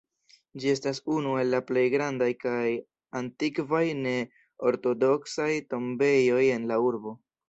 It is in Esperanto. Ĝi estas unu el la plej grandaj kaj antikvaj ne-ortodoksaj tombejoj en la urbo.